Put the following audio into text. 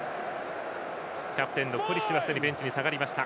キャプテンのコリシはすでにベンチに下がりました。